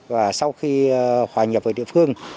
và sau khi hòa nhập với địa phương